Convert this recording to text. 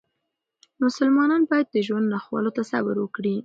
مسلمانان باید د ژوند ناخوالو ته صبر وکړي.